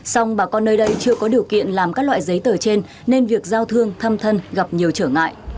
xong bà con nơi đây chưa có điều kiện làm các loại giấy tờ trên nên việc giao thương thăm thân gặp nhiều trở ngại